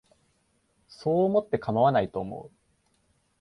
そう思ってかまわないと思う